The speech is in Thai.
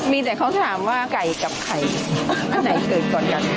มีแต่เขาถามว่าไก่กับไข่อันไหนเกิดก่อนกัน